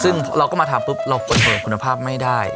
ซึ่งเราก็มาทำปุ๊บเรากดเปิดคุณภาพไม่ได้